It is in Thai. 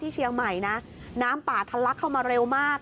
ใช่ค่ะน้ำของเร็วมาก